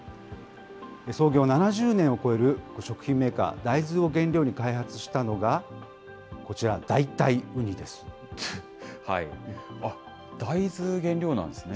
創業７０年を超える食品メーカー、大豆を原料に開発したのがこちら、あっ、大豆原料なんですね。